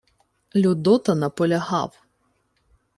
Людота наполягав: